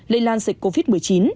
lây lan dịch covid một mươi chín